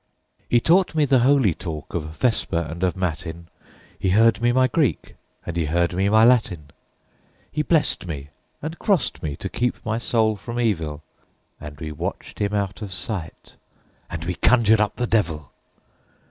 He taught me the holy talk of Vesper and of Matin, He heard me my Greek and he heard me my Latin, He blessed me and crossed me to keep my soul from evil, And we watched him out of sight, and we conjured up the devil!